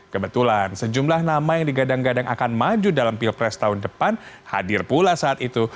kebetulan sejumlah nama yang digadang gadang akan maju dalam pilpres tahun depan hadir pula saat itu